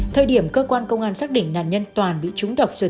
thời điểm cơ quan công an xác định nạn nhân toàn bị trúng độc rồi tử vong